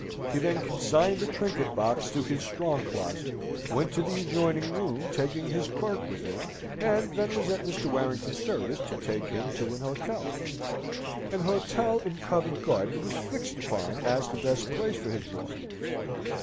He then consigned the trinket box to his strong closet, went into the adjoining room, taking his clerk with him, and then was at Mr. Warrington's service to take him to an hotel. An hotel in Covent Garden was fixed upon as the best place for his residence.